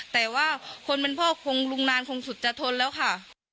แต่ว่าคนเป็นพ่อคงลุงนานคงสุดจะทนแล้วค่ะ